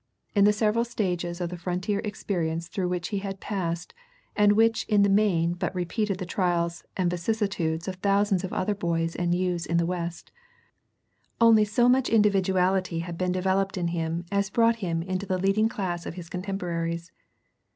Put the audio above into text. In the several stages of frontier experience through which he had passed, and which in the main but repeated the trials and vicissitudes of thousands of other boys and youths in the West, only so much individuality had been developed in him as brought him into the leading class of his contemporaries.